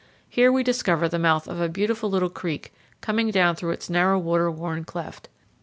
Here we discover the mouth of a beautiful little creek coming down through its narrow water worn cleft.